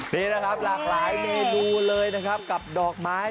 นี่แหละครับหลากหลายเมนูเลยนะครับกับดอกไม้